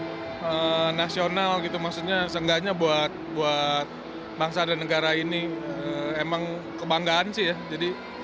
for national gitu maksudnya seenggaknya buat bangsa dan negara ini emang kebanggaan sih ya